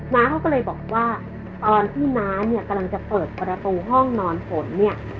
น้าเขาก็เลยบอกว่าตอนที่น้าเนี่ยกำลังจะเปิดประตูห้องนอนฝนเนี่ย